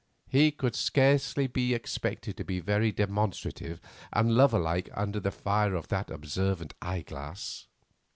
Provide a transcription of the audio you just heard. He could scarcely be expected to be very demonstrative and lover like under the fire of that observant eyeglass.